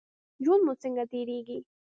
ژوند مو څنګه تیریږي؟